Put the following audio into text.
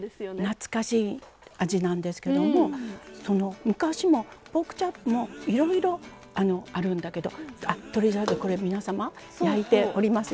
懐かしい味なんですけども昔もポークチャップもいろいろあるんだけど皆様、焼いておりますよ。